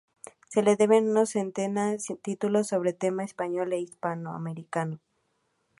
Se le deben unos sesenta títulos sobre tema español e hispanoamericano.